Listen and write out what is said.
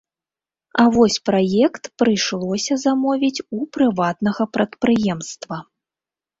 А вось праект прыйшлося замовіць у прыватнага прадпрыемства.